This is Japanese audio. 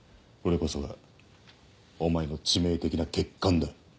これこそがお前の致命的な欠陥だ。